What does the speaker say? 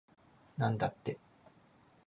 なんだって